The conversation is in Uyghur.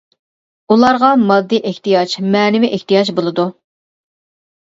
ئۇلاردا ماددىي ئېھتىياج، مەنىۋى ئېھتىياج بولىدۇ.